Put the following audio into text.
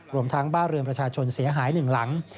รวมทั้งบ้านเรือนประชาชนเสียหาย๑หลัง